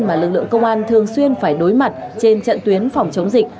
mà lực lượng công an thường xuyên phải đối mặt trên trận tuyến phòng chống dịch